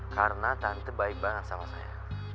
karena tante baik banget sama saya